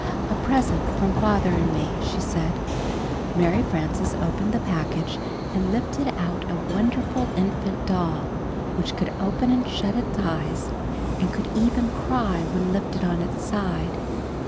''A present from father and me," she said. Mary Frances opened the package and lifted out a wonderful infant doll which could open and shut its eyes and could cry when lifted on its side.